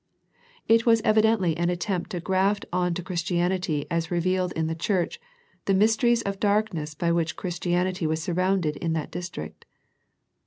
It was evidently an attempt to graft on to Christianity as revealed in the Church, the mysteries of darkness by which Christianity was surrounded in that district.